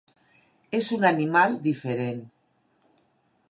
És un animal diferent.